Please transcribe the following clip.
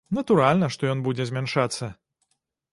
Натуральна, што ён будзе змяншацца.